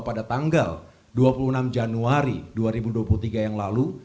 pada tanggal dua puluh enam januari dua ribu dua puluh tiga yang lalu